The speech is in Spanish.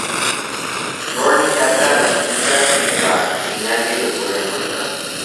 Barney saca la cinta y se va, y nadie lo puede encontrar.